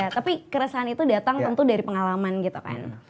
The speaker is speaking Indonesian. tapi keresahan itu datang tentu dari pengalaman gitu kan